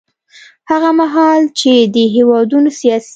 هغه مهال چې دې هېوادونو سیاسي